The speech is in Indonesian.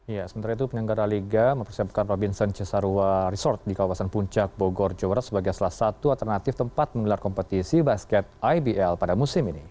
ya sementara itu penyelenggara liga mempersiapkan robinson cesarua resort di kawasan puncak bogor jawa barat sebagai salah satu alternatif tempat menggelar kompetisi basket ibl pada musim ini